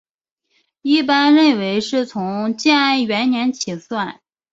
一般认为是从建安元年起算。